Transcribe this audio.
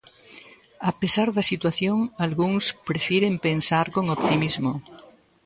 A pesar da situación, algúns prefiren pensar con optimismo.